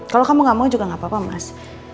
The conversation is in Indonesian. kalau kamu nggak mau juga nggak apa apa mas